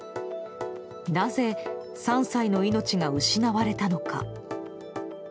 なぜ、３歳の命が失われたのか。